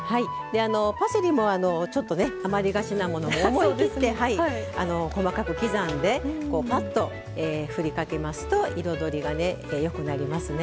パセリもちょっと余りがちなものを思い切って、細かく刻んでふわっと振りかけますと彩りがよくなりますね。